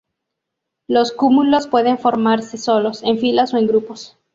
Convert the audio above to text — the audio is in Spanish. Los cúmulos pueden formarse solos, en filas o en grupos.